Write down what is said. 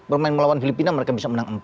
bermain melawan filipina mereka bisa menang empat